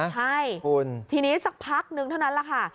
ใช่ทีนี้สักพักนึงเท่านั้นแหละค่ะ